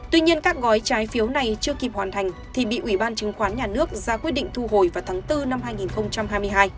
tuy nhiên các gói trái phiếu này chưa kịp hoàn thành thì bị ủy ban chứng khoán nhà nước ra quyết định thu hồi vào tháng bốn năm hai nghìn hai mươi hai